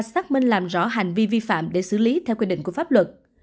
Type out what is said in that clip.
xác minh làm rõ hành vi vi phạm để xử lý theo quy định của pháp luật